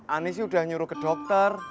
anis sih udah nyuruh ke dokter